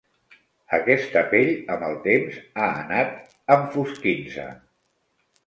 Aquesta pell, amb el temps, ha anat enfosquint-se.